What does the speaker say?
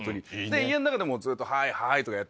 家の中でもずっと「はいはい」とかやってて。